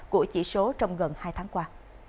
của chỉ số trong gần hai tháng qua